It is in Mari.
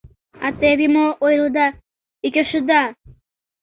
— А теве мо... ойледа, ӱчашеда!